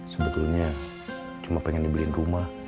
sebetulnya cuma pengen dibeliin rumah